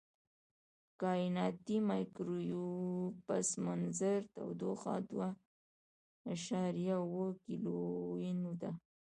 د کائناتي مایکروویو پس منظر تودوخه دوه اعشاریه اووه کیلوین ده.